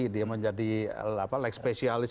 dia menjadi like spesialis